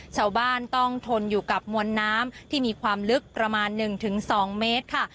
ชาวบ้านต้องทนอยู่กับมวลน้ำที่มีความลึกประมาณ๑๒เมตรค่ะ